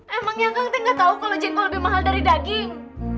emangnya kang teng gak tau kalo jengkol lebih mahal dari daging